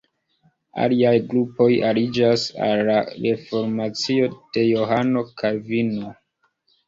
Aliaj grupoj aliĝas al la reformacio de Johano Kalvino.